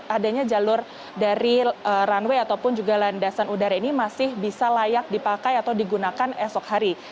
adanya jalur dari runway ataupun juga landasan udara ini masih bisa layak dipakai atau digunakan esok hari